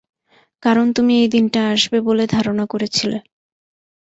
কারণ তুমি এই দিনটা আসবে বলে ধারণা করেছিলে।